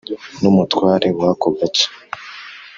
n’umutware wako gace